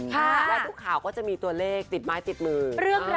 และทุกข่าวก็จะมีตัวเลขติดไม้ติดมือ